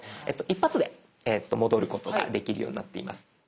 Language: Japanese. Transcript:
一発で戻ることができるようになっています。